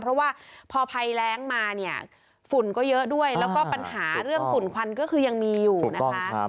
เพราะว่าพอภัยแรงมาเนี่ยฝุ่นก็เยอะด้วยแล้วก็ปัญหาเรื่องฝุ่นควันก็คือยังมีอยู่นะคะ